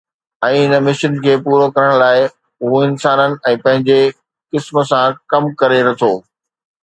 ۽ هن مشن کي پورو ڪرڻ لاء، هو انسانن ۽ پنهنجي قسم سان ڪم ڪري ٿو